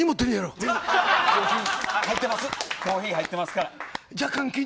コーヒー入ってます。